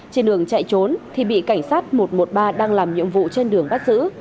trên đường chạy trốn thì bị cảnh sát một trăm một mươi ba đang làm nhiệm vụ trên đường bắt giữ